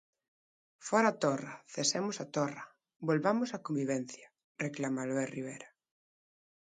Fóra Torra, cesemos a Torra, volvamos á convivencia, reclama Albert Rivera.